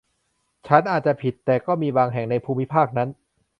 ฉันอาจจะผิด แต่ก็มีบางแห่งในภูมิภาคนั้น